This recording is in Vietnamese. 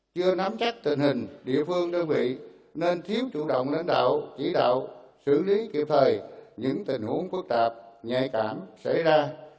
chưa nắm chắc tình hình địa phương đơn vị nên thiếu chủ động lãnh đạo chỉ đạo xử lý kịp thời những tình huống phức tạp nhạy cảm xảy ra